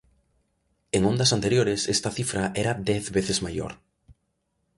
En ondas anteriores esta cifra era dez veces maior.